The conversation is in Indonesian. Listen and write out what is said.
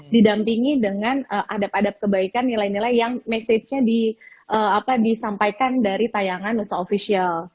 didampingi dengan adab adab kebaikan nilai nilai yang message nya disampaikan dari tayangan nusa official